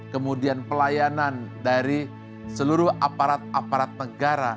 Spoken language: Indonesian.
kemudian pelayanan dari seluruh aparat aparat negara